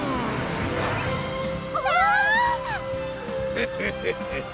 フフフフフ！